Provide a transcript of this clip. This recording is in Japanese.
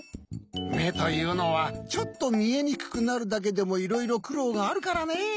めというのはちょっとみえにくくなるだけでもいろいろくろうがあるからね。